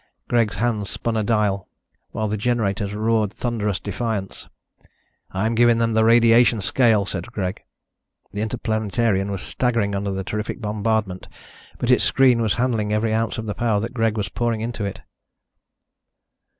Greg's hand spun a dial, while the generators roared thunderous defiance. "I'm giving them the radiation scale," said Greg. The Interplanetarian was staggering under the terrific bombardment, but its screen was handling every ounce of the power that Greg was pouring into it.